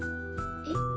えっ？